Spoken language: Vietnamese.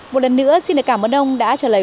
một lần nữa xin được cảm ơn ông đã trả lời